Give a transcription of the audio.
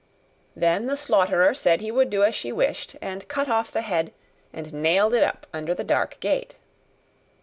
Then the slaughterer said he would do as she wished; and cut off the head, and nailed it up under the dark gate.